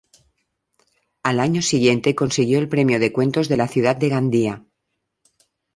Al año siguiente consiguió el premio de cuentos de la Ciudad de Gandía.